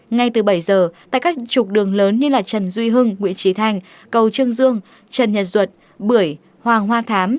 ngay từ bảy giờ tại các trục đường lớn như trần duy hưng nguyễn trí thành cầu trương dương trần nhật duật bưởi hoàng hoa thám